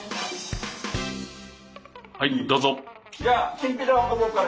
はいどうぞ。